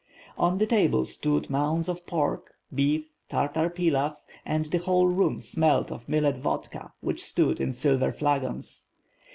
On the table stood mounds of pork, beef, Tartar pilav and the whole room smelt of millet vodka, which stood in silver flagons.